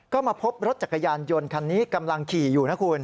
ก็มาพบรถจักรยานยนต์คันนี้กำลังขี่อยู่นะคุณ